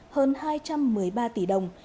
hơn hai trăm một mươi ba tỷ đồng